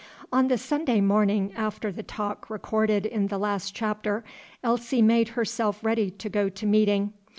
On the Sunday morning after the talk recorded in the last chapter, Elsie made herself ready to go to meeting.